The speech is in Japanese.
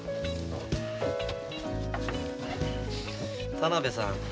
田辺さん。